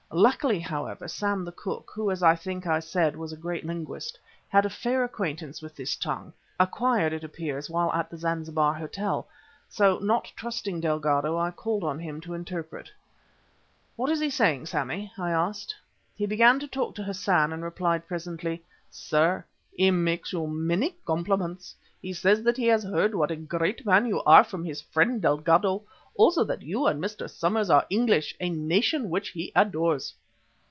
Luckily, however, Sam the cook, who, as I think I said, was a great linguist, had a fair acquaintance with this tongue, acquired, it appears, while at the Zanzibar hotel; so, not trusting Delgado, I called on him to interpret. "What is he saying, Sammy?" I asked. He began to talk to Hassan and replied presently: "Sir, he makes you many compliments. He says that he has heard what a great man you are from his friend, Delgado, also that you and Mr. Somers are English, a nation which he adores."